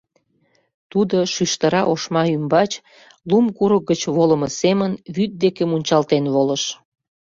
Тудо шӱштыра ошма ӱмбач, лум курык гыч волымо семын, вӱд деке мунчалтен волыш.